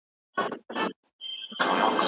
ما له تا څخه د پانګونې هنر زده کړ.